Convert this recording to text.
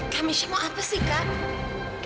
kamisya mau apa sih kak